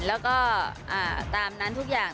แล้วก็ตามนั้นทุกอย่าง